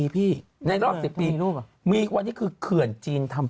ปรากฏว่า